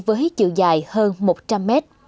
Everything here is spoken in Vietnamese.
sâu với chữ dài hơn một trăm linh mét